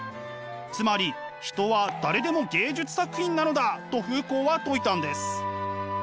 つまり人は誰でも芸術作品なのだとフーコーは説いたんです。